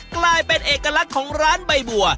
กลายเป็นเอกลักษณ์ของร้านใบบัว